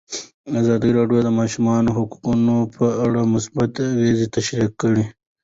ازادي راډیو د د ماشومانو حقونه په اړه مثبت اغېزې تشریح کړي.